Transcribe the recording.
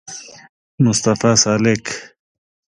مصطفی سالک